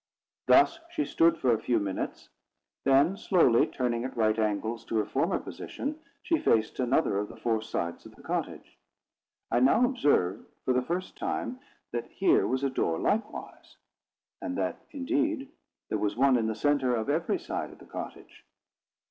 Thus she stood for a few minutes; then, slowly turning at right angles to her former position, she faced another of the four sides of the cottage. I now observed, for the first time, that here was a door likewise; and that, indeed, there was one in the centre of every side of the cottage.